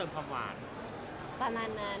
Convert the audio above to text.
ใครแอลร์ใครแบบสำหรับเมื่อกี๊